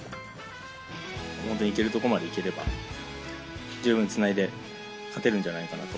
本当にいけるところまでいければ、十分つないで勝てるんじゃないかなと。